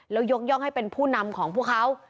แล้วยกย่องให้เป็นผู้นำของพวกเขา